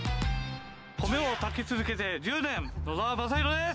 米を炊き続けて１０年、野澤昌浩です。